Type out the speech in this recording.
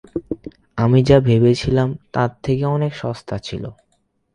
আমি যা ভেবেছিলাম তার থেকে অনেক সস্তা ছিল।